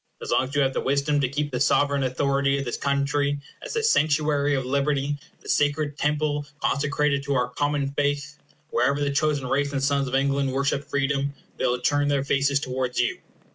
As long as you have the wisdom to keep the sovereign authority of this country as the sanctuary of liberty, the sacred temple consecrated to our common faith, wherever the chosen race and sons of England worship freedom, they will turn their faces towards you.